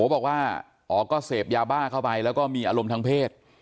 บอกว่าอ๋อก็เสพยาบ้าเข้าไปแล้วก็มีอารมณ์ทางเพศ